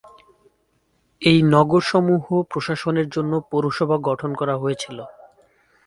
এই নগর সমূহ প্রশাসনের জন্য পৌরসভা গঠন করা হয়েছিল।